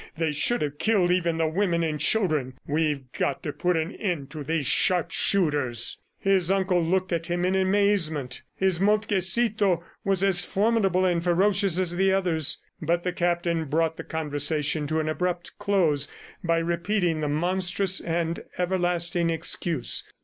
They should have killed even the women and children. We've got to put an end to these sharpshooters." His uncle looked at him in amazement. His Moltkecito was as formidable and ferocious as the others. ... But the captain brought the conversation to an abrupt close by repeating the monstrous and everlasting excuse.